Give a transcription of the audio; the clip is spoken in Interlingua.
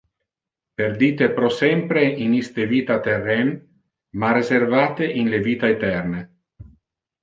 Perdite pro sempre in iste vita terren, ma reservate in le vita eterne.